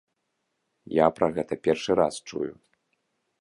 Я пра гэта першы раз чую.